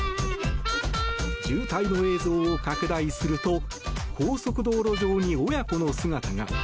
渋滞の映像を拡大すると高速道路上に親子の姿が。